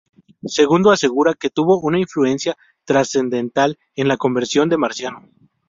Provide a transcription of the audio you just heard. Segundo asegura que tuvo una influencia trascendental en la conversión de Marciano.